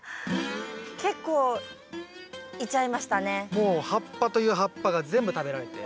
もう葉っぱという葉っぱが全部食べられて。